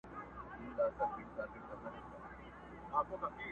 تا ته به ډلي په موسکا د سهیلیو راځي،